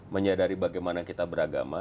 menyadari bagaimana kita beragama